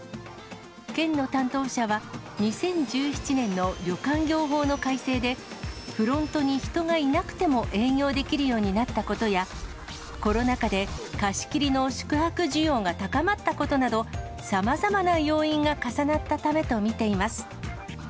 県の担当者は、２０１７年の旅館業法の改正で、フロントに人がいなくても営業できるようになったことや、コロナ禍で貸し切りの宿泊需要が高まったことなど、さまざまな要因が重なったためと見ています。